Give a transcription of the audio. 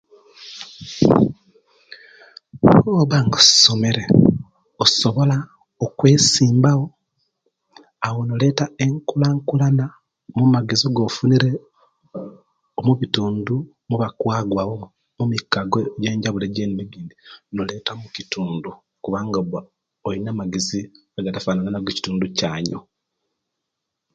Bwobanga osomere osobola okwesimbawo awo noleta enkulakulana mumagezi ago funire mukitundu, mubakwagwa bo nemikago ejenjabulo noleta mukitundu kubanga oba olina amagezi agatafanana na ago kitundu canyu